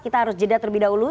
kita harus jeda terlebih dahulu